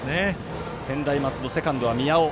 専大松戸、セカンドは宮尾。